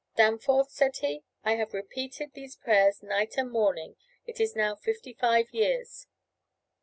"Danforth," said he "I have repeated these prayers night and morning, it is now fifty five years."